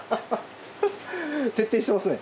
徹底してますね。